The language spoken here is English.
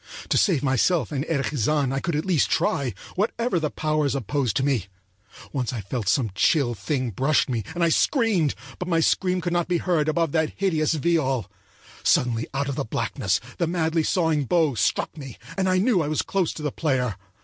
To save myself and Erich Zann I could at least try, whatever the powers opposed to me. Once I thought some chill thing brushed me, and I screamed, but my scream could not be heard above that hideous viol. Suddenly out of the blackness the madly sawing bow struck me, and I knew I was close to the player.